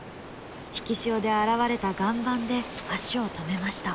引き潮で現れた岩盤で足を止めました。